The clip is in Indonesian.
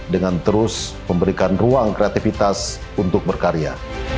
dengan terus memberikan ruang kreativitas untuk berkarya